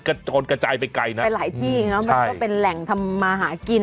กระจ่อนกระจ่ายไปไกลนะเป็นหลายที่เนอะใช่มันก็เป็นแหล่งทำมาหากิน